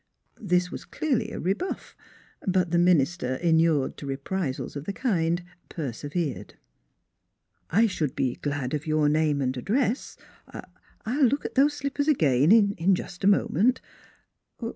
This was clearly a rebuff; but the minister inured to reprisals of the kind persevered. " I should be glad of your name and address; er I'll look at those slippers again in just a moment.